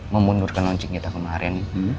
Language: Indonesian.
memundurkan launching kita kemarin